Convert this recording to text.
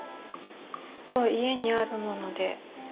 そう家にあるもので何でも。